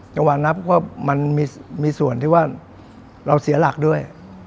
จังหวะนับก็มันมีส่วนที่ว่าเราเสียหลักด้วย